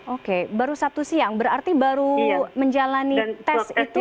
oke baru sabtu siang berarti baru menjalani test itu